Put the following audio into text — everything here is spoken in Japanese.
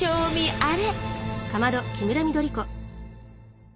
あれ？